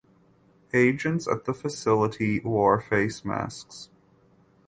Agents at the facility wore face masks.